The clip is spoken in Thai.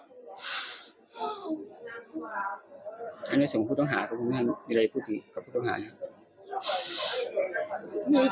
อันนี้ถึงผู้ต้องหาก็ไม่มีอะไรพูดดีกับผู้ต้องหาเนี่ย